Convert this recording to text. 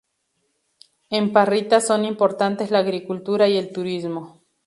En Parrita son importantes la agricultura y el turismo.